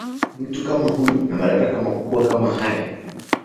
mtu kama huyu na madaraka makubwa kama haya